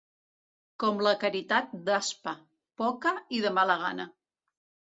Com la caritat d'Aspa: poca i de mala gana.